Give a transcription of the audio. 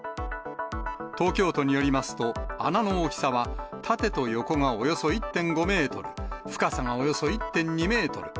東京都によりますと、穴の大きさは、縦と横がおよそ１．５メートル、深さがおよそ１．２メートル。